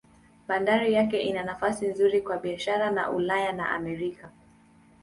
Bandari yake ina nafasi nzuri kwa biashara na Ulaya na Amerika.